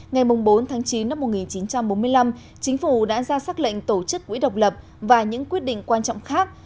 ngày bốn tháng chín năm một nghìn chín trăm bốn mươi năm chính phủ đã ra xác lệnh tổ chức quỹ độc lập và những quyết định quan trọng khác